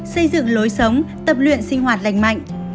xây dựng lối sống tập luyện sinh hoạt lành mạnh